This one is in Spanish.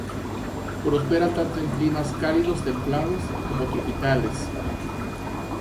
Prospera tanto en climas cálidos-templados como tropicales.